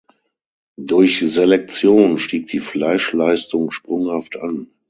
Durch Selektion stieg die Fleischleistung sprunghaft an.